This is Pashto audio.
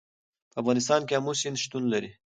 په افغانستان کې آمو سیند شتون لري.